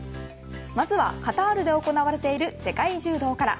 まずはカタールで行われている世界柔道から。